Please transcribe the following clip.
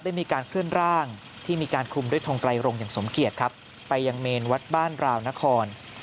ได้มีการเคลื่อนร่างที่มีการคลุมด้วยทงไกรรงอย่างสมเกียจครับไปยังเมนวัดบ้านราวนคร